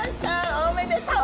おめでとう！